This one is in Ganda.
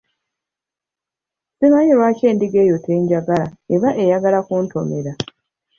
Simanyi lwaki endiga eyo tenjagala eba eyagala kuntomera.